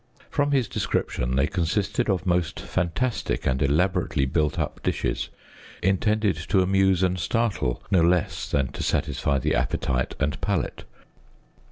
From his description they consisted of most fantastic and elaborately built up dishes, intended to amuse and startle, no less than to satisfy the appetite and palate.